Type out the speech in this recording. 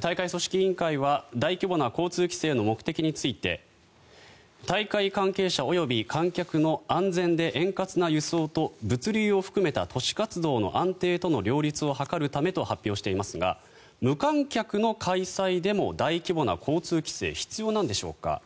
大会組織委員会は大規模な交通規制の目的について大会関係者及び観客の安全で円滑な輸送と物流を含めた都市活動の安定との両立を図るためと発表していますが無観客の開催でも大規模な交通規制は必要なんでしょうか。